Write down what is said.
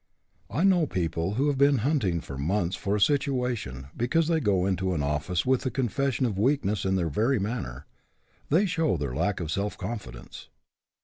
I know people who have been hunting for months for a situation, because they go into an office with a confession of weakness in their very manner; they show their lack of self confidence.